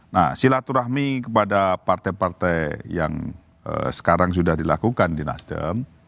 nah silaturahmi kepada partai partai yang sekarang sudah dilakukan di nasdem